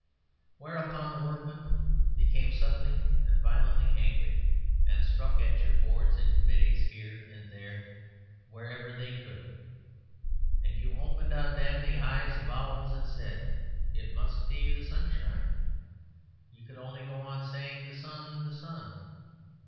Whereupon the workmen became suddenly and violently angry; and struck at your Boards and Committees here, there, and wherever they could. And you opened on them the eyes of owls, and said, "It must be the sunshine." You could only go on saying, "The sun, the sun."